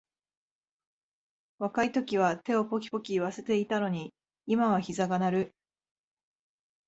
若いときは手をポキポキいわせていたのに、今はひざが鳴る